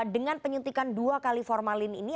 dengan penyuntikan dua kali formalin ini